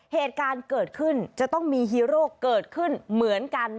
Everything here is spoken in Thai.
เหตุการณ์เกิดขึ้นจะต้องมีฮีโร่เกิดขึ้นเหมือนกัน